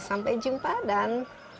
sampai jumpa dan